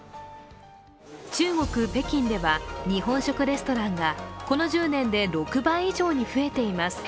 中国・北京では日本食レストランがこの１０年で６倍以上に増えています。